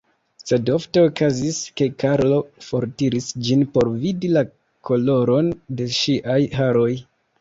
Sed ofte okazis, ke Karlo fortiris ĝin por vidi la koloron de ŝiaj haroj.